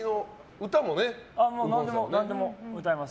何でも歌います。